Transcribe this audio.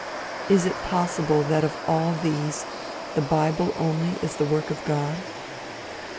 Is it possible that of all these, the bible only is the work of God?